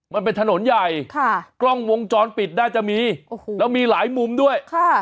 มันเป็นถนนใหญ่ค่ะกล้องวงจรปิดน่าจะมีโอ้โหแล้วมีหลายมุมด้วย